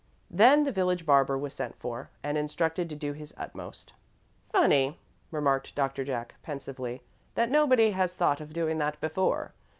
Then the village barber was sent for, and instructed to do his utmost. "Funny," remarked Doctor Jack, pensively, "that nobody has thought of doing that before.